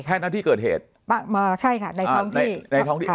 แพทย์ที่เกิดเหตุใช่ค่ะในท้องที่